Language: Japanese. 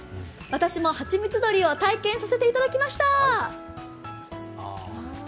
私も蜂蜜取りを体験させていただきました。